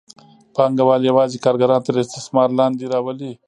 پانګوال یوازې کارګران تر استثمار لاندې راولي.